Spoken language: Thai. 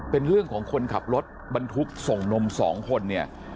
เป็นเรื่องของคนขับรถบรรทุกส่งนมสองคนเนี่ย